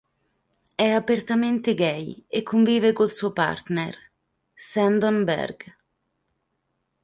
È apertamente gay e convive col suo partner, Sandon Berg.